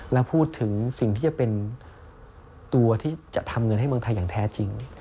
แล้วพูดถึงสิ่งที่จะเป็นตัวที่จะทำเงินให้เมืองไทยอย่างแท้จริง